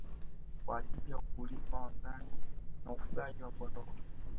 Kwa ajili ya ukulima wa ngano na ufugaji wa Kondoo